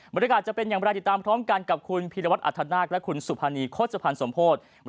จะเป็นอย่างไรติดตามพร้อมกันกับคุณพีรวัตรอัธนาคและคุณสุภานีโฆษภัณฑ์สมโพธิ์